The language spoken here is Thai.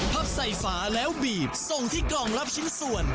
พับใส่ฝาแล้วบีบส่งที่กล่องรับชิ้นส่วน